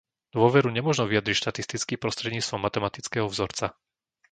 Dôveru nemožno vyjadriť štatisticky prostredníctvom matematického vzorca.